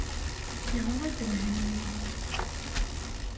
Yeɣra-d Mhenni.